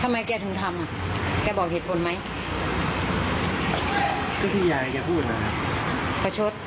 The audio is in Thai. กระต่ายมันก็ตัวเล็กมันไม่ได้สร้างปัญหาอะไร